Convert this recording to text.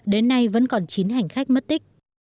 đến nay vẫn còn chín hành khách mất tích